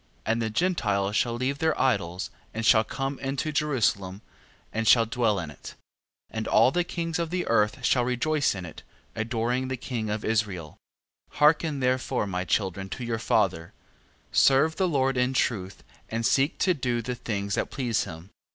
14:8. And the Gentiles shall leave their idols, and shall come into Jerusalem, and shall dwell in it. 14:9. And all the kings of the earth shall rejoice in it, adoring the King of Israel. 14:10. Hearken therefore, my children, to your father: serve the Lord in truth, and seek to do the things that please him: 14:11.